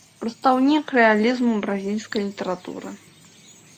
Прадстаўнік рэалізму ў бразільскай літаратуры.